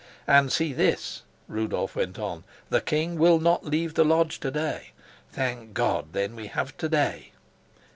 "And see this," Rudolf went on. "'The king will not leave the lodge to day.' Thank God, then, we have to day!"